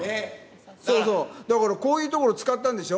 そうそう、だからこういうところ使ったんでしょ？